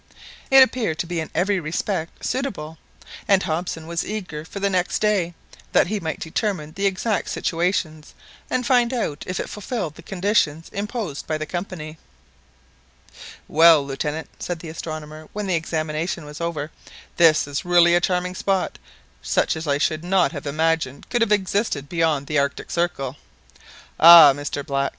It appeared to be in every respect suitable; and Hobson was eager for the next day, that he might determine the exact situations, and find out if it fulfilled the conditions imposed by the Company. "Well, Lieutenant," said the astronomer when the examination was over, "this is really a charming spot, such as I should not have imagined could have existed beyond the Arctic Circle." "Ah, Mr Black!"